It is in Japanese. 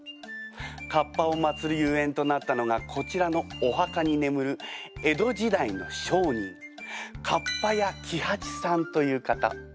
かっぱを祭るゆえんとなったのがこちらのお墓に眠る江戸時代の商人合羽屋喜八さんという方。